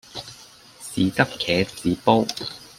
豉汁茄子煲